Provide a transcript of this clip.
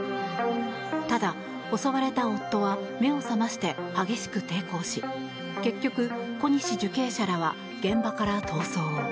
ただ、襲われた夫は目を覚まして激しく抵抗し結局、小西受刑者らは現場から逃走。